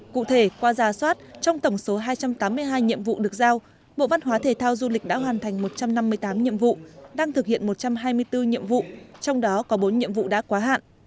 cụ thể qua giả soát trong tổng số hai trăm tám mươi hai nhiệm vụ được giao bộ văn hóa thể thao du lịch đã hoàn thành một trăm năm mươi tám nhiệm vụ đang thực hiện một trăm hai mươi bốn nhiệm vụ trong đó có bốn nhiệm vụ đã quá hạn